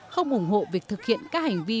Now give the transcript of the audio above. không ủng hộ việc thực hiện các hành vi